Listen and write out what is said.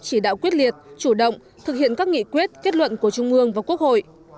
chỉ đạo quyết liệt chủ động thực hiện các nghị quyết kết luận của trung ương và quốc hội